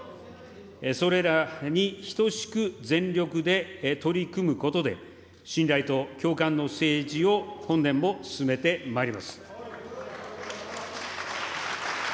それらに等しく全力で取り組むことで、信頼と共感の政治を本年も進めてまいります。